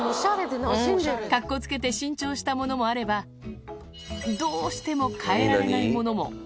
かっこつけて新調したものもあれば、どうしても変えられないものも。